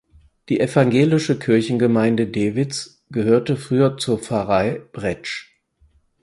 Die evangelische Kirchengemeinde Dewitz gehörte früher zur Pfarrei Bretsch.